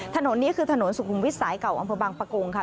ถนนนี้คือถนนสุขุมวิทย์สายเก่าอำเภอบางปะโกงค่ะ